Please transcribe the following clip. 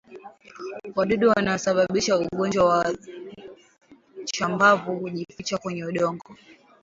Wadudu wanaosababisha ugonjwa wa chambavu hujificha kwenye udongo